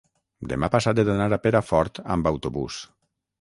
demà passat he d'anar a Perafort amb autobús.